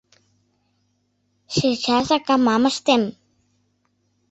Чечасак ам-ам ыштем.